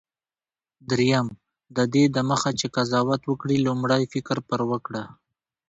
دریم: ددې دمخه چي قضاوت وکړې، لومړی فکر پر وکړه.